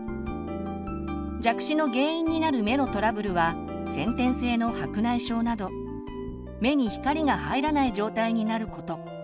弱視の原因になる目のトラブルは先天性の白内障など目に光が入らない状態になること。